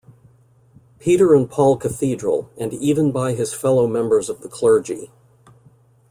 Peter and Paul Cathedral, and even by his fellow members of the clergy.